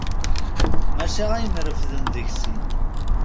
Maca ayen refden deg sin.